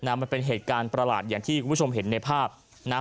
มันเป็นเหตุการณ์ประหลาดอย่างที่คุณผู้ชมเห็นในภาพนะ